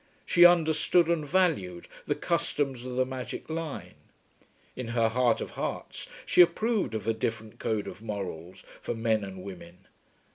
She understood and valued the customs of the magic line. In her heart of hearts she approved of a different code of morals for men and women.